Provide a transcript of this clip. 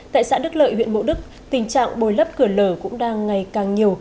tại xã đức lợi huyện mộ đức tình trạng bồi lấp cửa lở cũng đang ngày càng nhiều